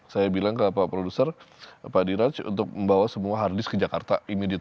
saya bilang ke pak diraj untuk membawa semua harddisk ke jakarta